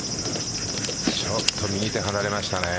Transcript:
ちょっと右手、離れましたね。